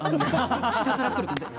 下からくる感じで。